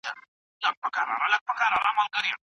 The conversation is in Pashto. د قسم د استحقاق اړوند تفصیلي بحث څه شی روښانه کوي؟